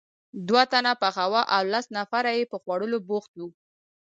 دوه تنه پخاوه او لس نفره یې په خوړلو بوخت وو.